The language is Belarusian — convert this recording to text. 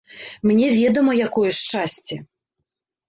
Мне ведама, якое шчасце.